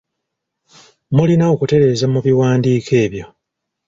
Mulina okutereeza mu biwandiiko ebyo.